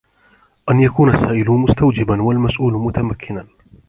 أَنْ يَكُونَ السَّائِلُ مُسْتَوْجِبًا وَالْمَسْئُولُ مُتَمَكِّنًا